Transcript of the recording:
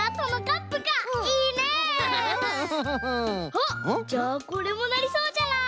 あっじゃあこれもなりそうじゃない？